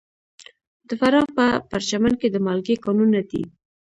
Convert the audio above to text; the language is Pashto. د فراه په پرچمن کې د مالګې کانونه دي.